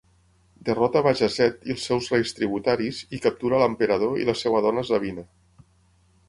Derrota Bajazeth i els seus reis tributaris, i captura l'emperador i la seva dona Zabina.